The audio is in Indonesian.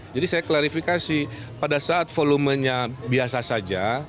jadi saya klarifikasi pada saat volumenya biasa saja